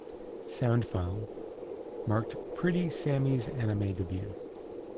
Soundfile, marked Pretty Sammy's anime debut.